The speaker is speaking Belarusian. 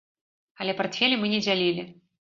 Але партфелі мы не дзялілі.